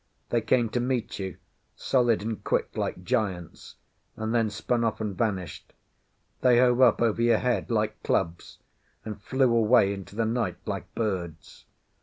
They came to meet you, solid and quick like giants, and then span off and vanished; they hove up over your head like clubs, and flew away into the night like birds.